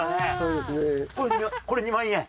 これ２万円？